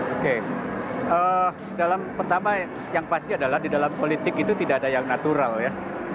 oke pertama yang pasti adalah di dalam politik itu tidak ada yang natural ya